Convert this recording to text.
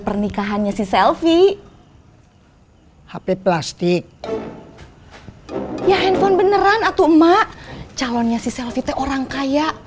pernikahannya si selfie hp plastik ya handphone beneran atau emak calonnya si selfie orang kaya